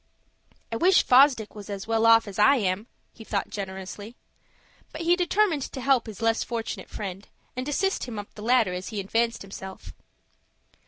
"I wish Fosdick was as well off as I am," he thought generously. But he determined to help his less fortunate friend, and assist him up the ladder as he advanced himself.